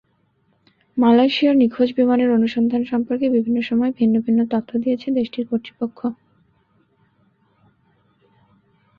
মালয়েশিয়ার নিখোঁজ বিমানের অনুসন্ধান সম্পর্কে বিভিন্ন সময়ে ভিন্ন ভিন্ন তথ্য দিয়েছে দেশটির কর্তৃপক্ষ।